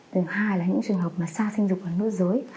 đường hai là những trường hợp mà xa sinh dục ở nước giới